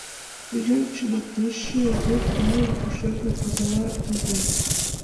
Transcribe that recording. Вуянче мардежше йыр налын, Пушеҥгым озала рӱзен.